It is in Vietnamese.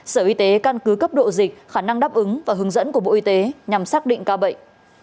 sở y tế căn cứ cấp độ dịch khả năng đáp ứng và hướng dẫn của bộ y tế nhằm xác định ca bệnh